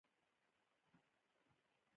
فیلډران د بازۍ بېنسټ دي.